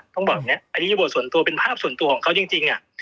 ต้องบอกเนี่ยอริยบทส่วนตัวเป็นภาพส่วนตัวของเขาจริง